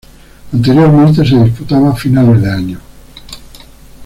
Anteriormente se disputaba finales de año.